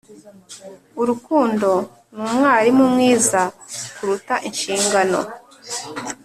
“urukundo ni umwarimu mwiza kuruta inshingano.”